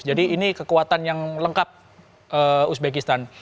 jadi ini kekuatan yang lengkap uzbekistan